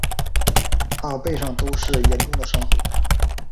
她背上都是严重的伤痕